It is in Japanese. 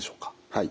はい。